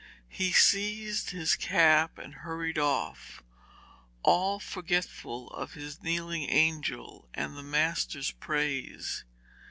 He seized his cap and hurried off, all forgetful of his kneeling angel and the master's praise.